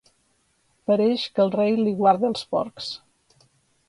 Pareix que el rei li guarda els porcs.